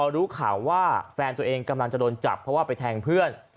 รู้ข่าวว่ากำลังจะโดนจับเพื่อทังเพื่อน